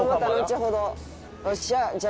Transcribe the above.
おっしゃ。